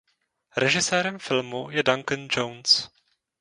Režisérem filmu je Duncan Jones.